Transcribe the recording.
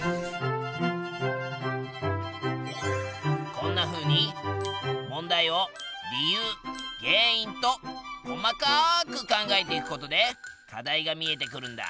こんなふうに問題を理由原因と細かく考えていくことで課題が見えてくるんだ！